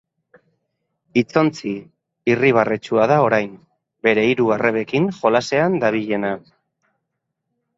Hitzontzi irribarretsua da orain, bere hiru arrebekin jolasean dabilena.